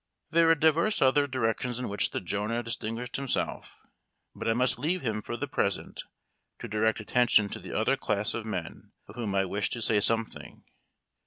There were divers other directions in which the Jonah distinguished himself; but I must leave him for the present to direct attention to the other class of men of whom I wish to say something.